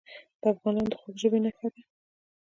د افغانانو د خوږ ژبۍ نښه ده.